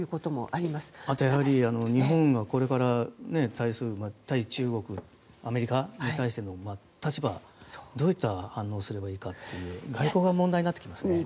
あと、やはり日本がこれから対中国アメリカに対しての立場どういった反応をすればいいかという外交の問題になってきますね。